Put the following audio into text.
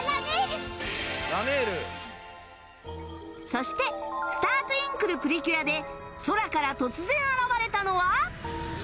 そして『スター☆トゥインクルプリキュア』で空から突然現れたのは